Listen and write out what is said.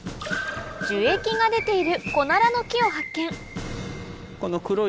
樹液が出ているコナラの木を発見えっ？